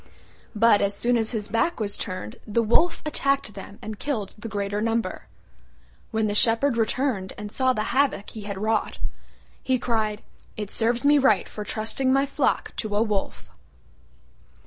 But as soon as his back was turned the Wolf attacked them and killed the greater number. When the Shepherd returned and saw the havoc he had wrought, he cried, "It serves me right for trusting my flock to a Wolf."